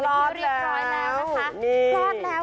รอดแล้ว